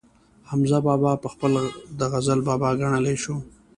حمزه بابا پخپله د غزل بابا ګڼلی شو